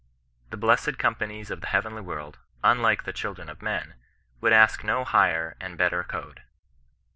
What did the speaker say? The blessed com panies of the heavenly world, unlike the children of men, would ask no higher and better code.